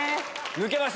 抜けました！